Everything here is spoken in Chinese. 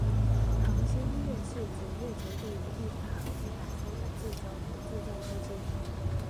恒星月是指月球对于一颗恒星来说的自转周期。